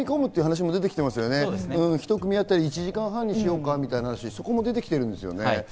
１組あたり１時間半にしようかみたいな話も出てきてるんですよね。